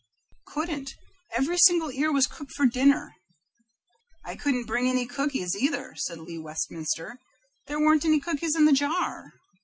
"Couldn't. Every single ear was cooked for dinner." "I couldn't bring any cookies, either," said Lee Westminster; "there weren't any cookies in the jar."